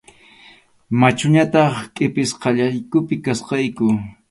Machuñataq qʼipisqallaykupi kachkayku.